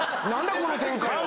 この展開は！